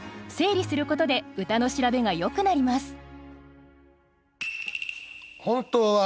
整理することで歌の調べがよくなります。